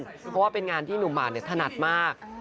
เพราะว่าเป็นงานที่หนุ่มหมาถนัดมาก